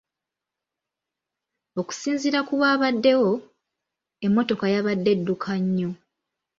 Okusinziira ku baabaddewo, emmotoka yabadde edduka nnyo.